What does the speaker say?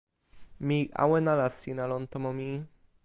mi awen ala sina lon tomo mi.